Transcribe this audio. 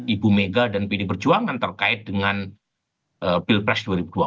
ibu mega dan pd perjuangan terkait dengan pilpres dua ribu dua puluh